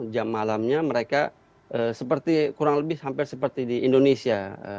jam malamnya mereka seperti kurang lebih hampir seperti di indonesia